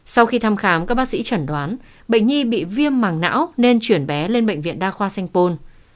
sau khi thăm khám các bác sĩ chẩn đoán bệnh nhi bị viêm màng não nên chuyển bé lên bệnh viện đa khoa sanh pôn